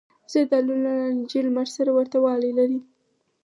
زردالو له نارنجي لمر سره ورته والی لري.